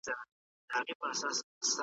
استازي د غونډي په ترڅ کي خپل نظرونه ورکوي.